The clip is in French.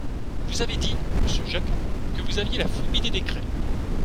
Vous avez dit, monsieur Jacquat, que vous aviez la phobie des décrets.